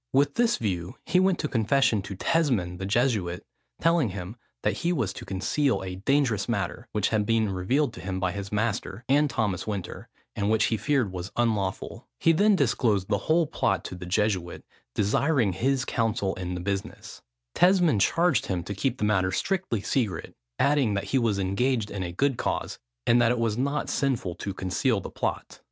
With this view, he went to confession to Tesmond the Jesuit, telling him that he was to conceal a dangerous matter, which had been revealed to him by his master, and Thomas Winter, and which he feared was unlawful. He then disclosed the whole plot to the Jesuit, desiring his counsel in the business. Tesmond charged him to keep the matter strictly secret, adding, that he was engaged in a good cause, and that it was not sinful to conceal the plot.